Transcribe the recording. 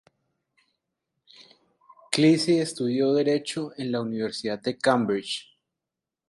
Cleese estudió derecho en la Universidad de Cambridge.